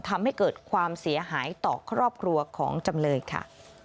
ทำให้เกิดความเสียหายต่อครอบครัวของจำเลยค่ะ